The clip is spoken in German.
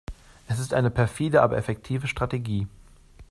Es ist eine perfide, aber effektive Strategie.